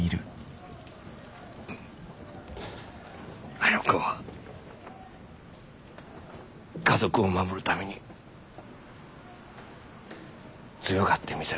あの子は家族を守るために強がってみせるところがあったけど。